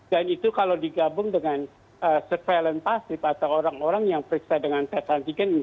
dan itu kalau digabung dengan surveillance pasif atau orang orang yang periksa dengan tes transigen